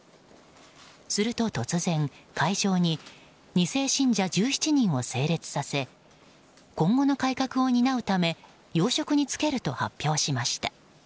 すると突然、会場に２世信者１７人を整列させ今後の改革を担うため要職に就けると発表しました。